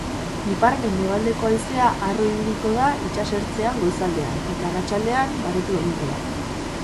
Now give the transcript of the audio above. Ipar-mendebaldeko haizea harro ibiliko da itsasertzean goizaldean eta arratsaldean baretu egingo da.